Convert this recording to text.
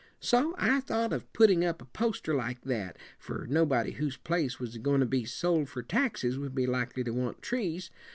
So I thought of putting up a poster like that, for nobody whose place was a goin' to be sold for taxes would be likely to want trees.